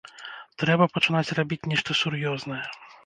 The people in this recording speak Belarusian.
Трэба пачынаць рабіць нешта сур'ёзнае.